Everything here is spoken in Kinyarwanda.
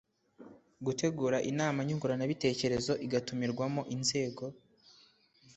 gutegura inama nyunguranabitekerezo igatumirwamo inzego